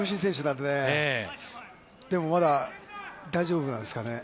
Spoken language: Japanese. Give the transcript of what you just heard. でも、まだ大丈夫なんですかね。